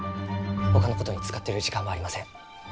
ほかのことに使ってる時間はありません。